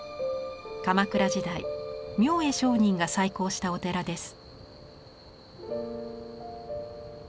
鎌倉時代明恵上人が再興したお寺です。